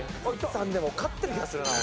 でも勝ってる気がするな俺。